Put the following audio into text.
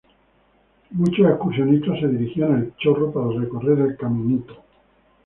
Muchos excursionistas se dirigían a El Chorro para recorrer el Caminito.